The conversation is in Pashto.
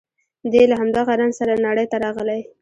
دی له همدغه رنځ سره نړۍ ته راغلی